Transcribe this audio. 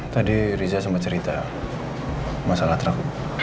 tadi riza sumpah cerita masalah trak